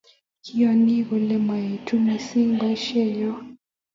Kiyoni kele myeitu missing' poisyennyo